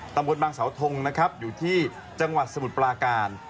ตำบลบางสาวทงนะครับอยู่ที่จังหวัดสมุทรปลาการ